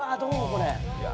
これ。